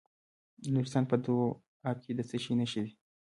د نورستان په دو اب کې د څه شي نښې دي؟